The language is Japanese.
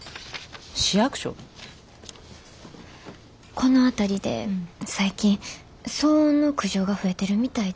この辺りで最近騒音の苦情が増えてるみたいで。